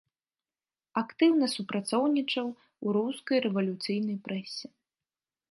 Актыўна супрацоўнічаў у рускай рэвалюцыйнай прэсе.